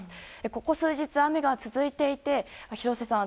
ここ数日、雨が続いていて廣瀬さん